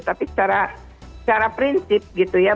tapi secara prinsip gitu ya